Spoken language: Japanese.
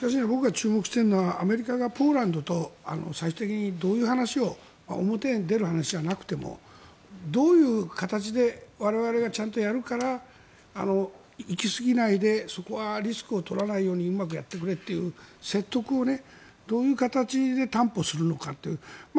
僕が注目してるのはアメリカがポーランドと最終的にどういう話を表に出る話じゃなくてもどういう形で我々がちゃんとやるから行き過ぎないでリスクを取らないようにうまくやってくれという説得をね、どういう形で担保するのかという。